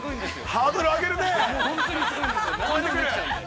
◆ハードル上げるね。